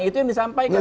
itu yang disampaikan